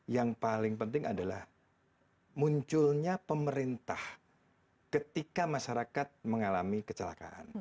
yang paling penting adalah munculnya pemerintah ketika masyarakat mengalami kecelakaan